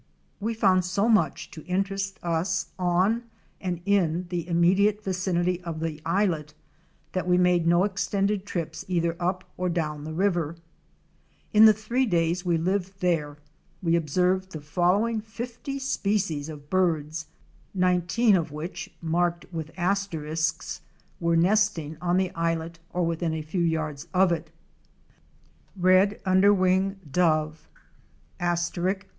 We found so much to interest us on and in the immediate vicinity of the islet that we made no extended trips either up or down the river. In the three days we lived there we observed the following fifty species of birds, nineteen of which (marked with asterisks) were nesting on the islet or within a few yards of it: Red underwing Dove (Leptoptila rufaxilla).